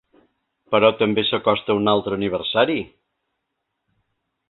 Però també s’acosta un altre aniversari.